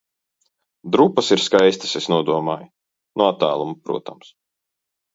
Drupas ir skaistas, es nodomāju. No attāluma, protams.